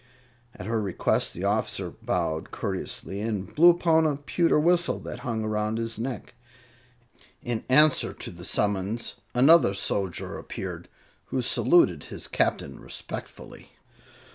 At her request the officer bowed courteously and blew upon a pewter whistle that hung around his neck. In answer to the summons another soldier appeared, who saluted his Captain respectfully.